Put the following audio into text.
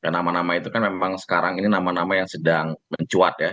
nama nama itu kan memang sekarang ini nama nama yang sedang mencuat ya